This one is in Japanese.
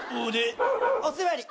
お座り。